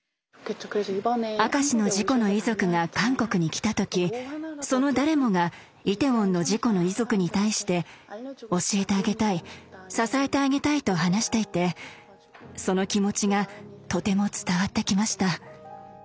明石の事故の遺族が韓国に来た時その誰もがイテウォンの事故の遺族に対して教えてあげたい支えてあげたいと話していてその気持ちがとても伝わってきました。